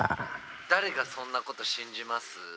「誰がそんなこと信じます？」。